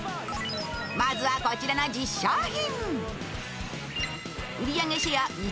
まずはこちらの１０商品。